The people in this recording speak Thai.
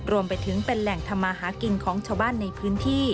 รวมไปถึงเป็นแหล่งทำมาหากินของชาวบ้านในพื้นที่